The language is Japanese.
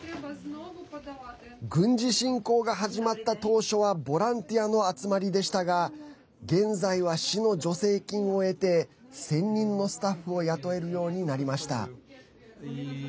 軍事侵攻が始まった当初はボランティアの集まりでしたが現在は、市の助成金を得て専任のスタッフを雇えるようになりました。